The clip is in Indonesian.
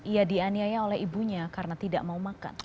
ia dianiaya oleh ibunya karena tidak mau makan